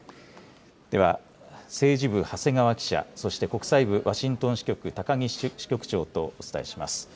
では、政治部、長谷川記者、そして国際部ワシントン支局の高木支局長とお伝えします。